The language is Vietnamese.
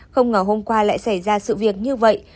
không ngờ hôm qua lại xảy ra sự việc như vậy